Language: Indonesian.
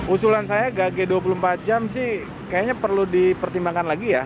usulan saya gage dua puluh empat jam sih kayaknya perlu dipertimbangkan lagi ya